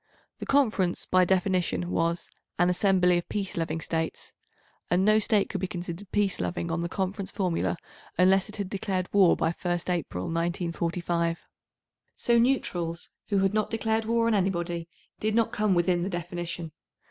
The Conference by definition was "an assembly of peace loving States," and no State could be considered peace loving on the Conference formula unless it had declared war by 1st April, 1945. So neutrals who had not declared war on anybody did not come within the definition.